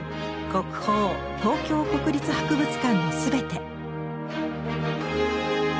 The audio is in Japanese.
「国宝東京国立博物館のすべて」。